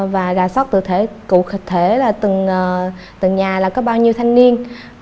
và ra soát cụ thể là từng nhà có bao nhiêu thanh niên